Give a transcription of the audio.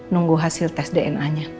nunggu hasil tes dna nya